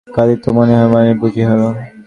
কদাচিৎ মনে হয় মানুষ বুঝি হাল ছেড়েই দিয়েছে।